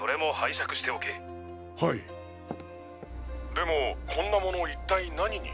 でもこんな物一体何に。